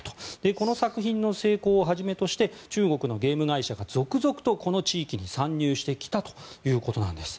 この作品の成功をはじめとして中国のゲーム会社が続々とこの地域に参入してきたということです。